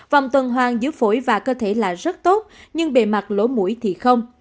vòng tuần hoàng giữa phổi và cơ thể là rất tốt nhưng bề mặt lỗ mũi thì không